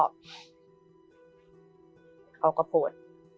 เขาก็โพสต์